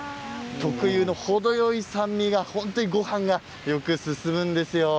特有の程よい酸味があってごはんがよく進むんですよ。